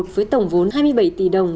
với tổng vốn hai mươi bảy tỷ đồng